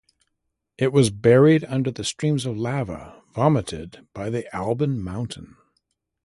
It was buried under the streams of lava vomited by the Alban Mountain.